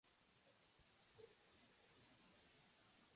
Conseguir una casa para todos no será fácil y mucho menos organizarse.